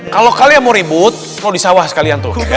kalau kalian mau ribut mau di sawah sekalian tuh